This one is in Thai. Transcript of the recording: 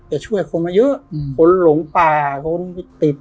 จะช่วยคนมาเยอะงงคนหลงป่าครับคนวิคติด